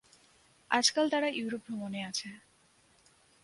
আজকাল তারা ইউরোপ ভ্রমণে আছে।